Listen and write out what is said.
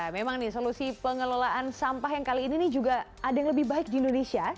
memang nih solusi pengelolaan sampah yang kali ini juga ada yang lebih baik di indonesia